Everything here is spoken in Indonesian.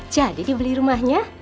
jadi dibeli rumahnya